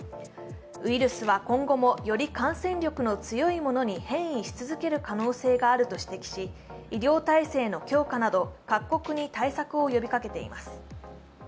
ウイルスは今後もより感染力の強いものに変異し続ける可能性があると指摘し医療体制の強化など各国に対策を呼びかけています。